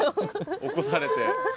起こされて。